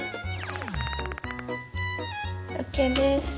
ＯＫです。